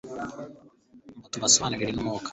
ngo tubusobanurirwe n'umwuka